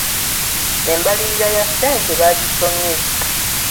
Embalirira ya ssente bagisoomye.